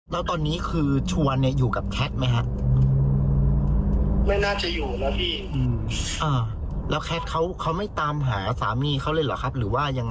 ก็ผมก็บอกว่าถ้าบริสุทธิ์ใจจริงก็เข้าไปที่ขอร้อง